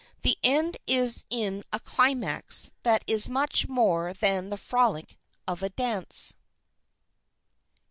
The end is in a climax that is much more than the frolic of a dance."